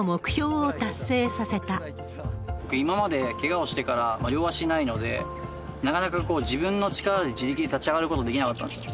僕、今までけがをしてから両足ないので、なかなか自分の力で自力で立ち上がることができなかったんですよ。